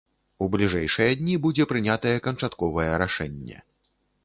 У бліжэйшыя дні будзе прынятае канчатковае рашэнне.